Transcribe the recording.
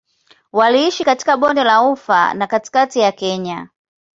Waliishi katika Bonde la Ufa na katikati ya Kenya.